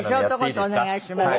お願いします。